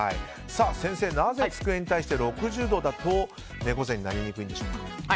先生、なぜ机に対して６０度だと猫背になりにくいんでしょうか。